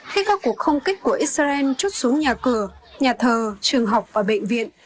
khi các cuộc không kích của israel trút xuống nhà cửa nhà thờ trường học và bệnh viện